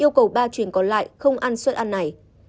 yêu cầu ba chuyện còn lại không ăn suất ăn này